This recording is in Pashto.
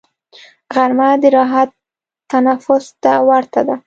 غرمه د راحت تنفس ته ورته ده